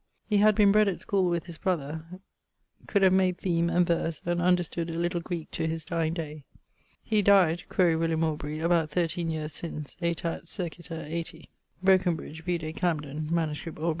He had been bred at schoole with his brother; could have made theme, and verse, and understood a little Greek to his dyeing day. He dyed (quaere William Aubrey) about 13 yeares since, aetat. circiter 80. [XCIII.] Brokenbrig: vide Camden. MS. Aubr.